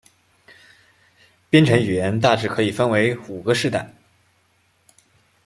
编程语言大致可以分为五个世代。